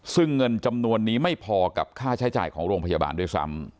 ซึ่งเงินจำนวนนี้ไม่พอกับค่าใช้จ่ายของโรงพยาบาลด้วยซ้ำ